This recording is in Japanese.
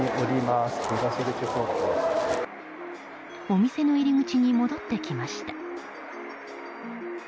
お店の入り口に戻ってきました。